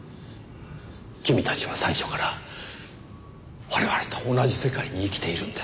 君たちは最初から我々と同じ世界に生きているんです。